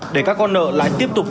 để các con nợ lại tiếp tục